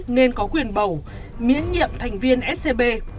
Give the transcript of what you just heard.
nên có quyền bầu miễn nhiệm thành viên scb